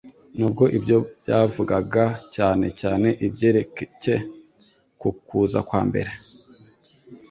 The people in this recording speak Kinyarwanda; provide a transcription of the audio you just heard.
Nubwo ibyo byavugaga cyane cyane ibyerekcye ku kuza kwa mbere